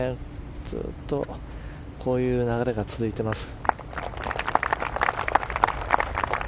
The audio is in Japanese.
ずっとこういう流れが続いています。